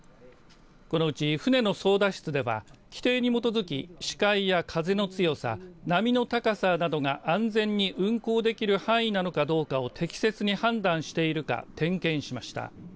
このうち、船の操舵室では規定に基づき、視界や風の強さ波の高さなどが安全に運航できる範囲なのかどうかを適切に判断しているか点検しました。